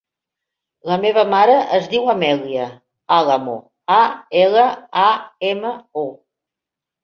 La meva mare es diu Amèlia Alamo: a, ela, a, ema, o.